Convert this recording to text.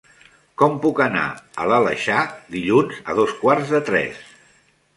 Com puc anar a l'Aleixar dilluns a dos quarts de tres?